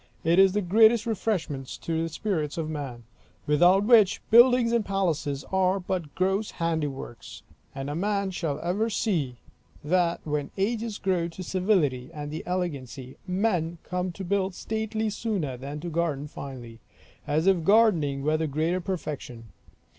It is the greatest refreshment to the spirits of man; without which, buildings and palaces are but gross handiworks; and a man shall ever see, that when ages grow to civility and elegancy, men come to build stately sooner than to garden finely; as if gardening were the greater perfection.